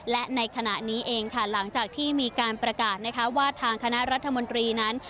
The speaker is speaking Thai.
และในขณะนี้เองค่ะหลังจากที่มีการประกาศนะคะว่าทางคณะรัฐมนตรีนั้น